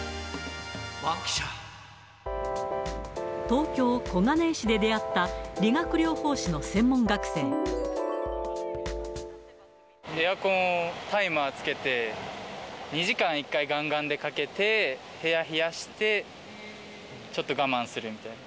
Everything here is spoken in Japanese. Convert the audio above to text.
東京・小金井市で出会った理エアコン、タイマーつけて、２時間１回、がんがんでかけて、部屋冷やして、ちょっと我慢するみたいな。